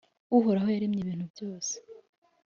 Uhoraho yaremye ibintu byose,